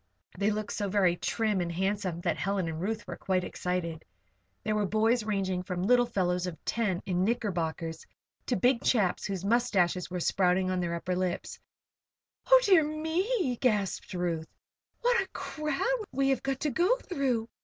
They looked so very trim and handsome that Helen and Ruth were quite excited. There were boys ranging from little fellows of ten, in knickerbockers, to big chaps whose mustaches were sprouting on their upper lips. "Oh, dear me!" gasped Ruth. "See what a crowd we have got to go through.